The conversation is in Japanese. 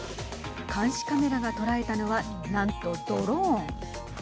監視カメラが捉えたのはなんとドローン。